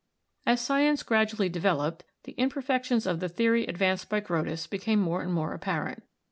As science gradually developed, the imperfections of the theory advanced by Grotthus became more and more apparent.